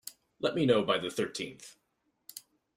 Let me know by the thirteenth.